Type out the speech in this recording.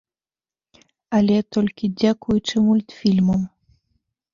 Але толькі дзякуючы мультфільмам.